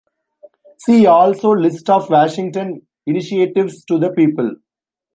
See also List of Washington initiatives to the people.